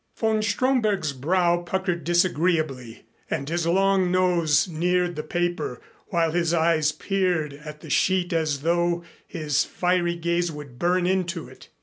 Von Stromberg's brow puckered disagreeably and his long nose neared the paper while his eyes peered at the sheet as though his fiery gaze would burn into it.